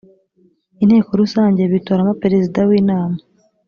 inteko rusange bitoramo perezida w inama